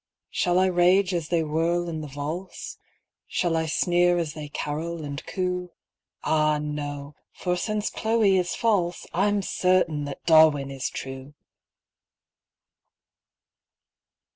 Shall I rage as they whirl in the valse ? Shall I sneer as they carol and coo ? Ah no ! for since Chloe is false, I'm certain that Darwin is true